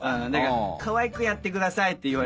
「かわいくやってください」って言われてさ。